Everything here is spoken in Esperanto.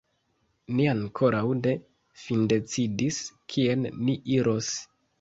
Ni ankoraŭ ne findecidis kien ni iros.